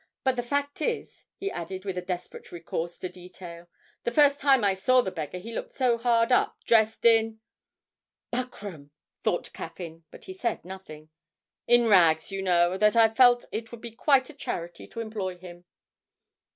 But the fact is,' he added with a desperate recourse to detail, 'the first time I saw the beggar he looked so hard up, dressed in ' ('Buckram!' thought Caffyn, but he said nothing) 'in rags, you know, that I felt it would be quite a charity to employ him.'